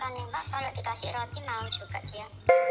nembak kalau dikasih roti mau juga dia